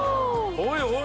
おいおい